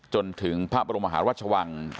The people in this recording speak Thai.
จนถึงพระบรมหาราชวัง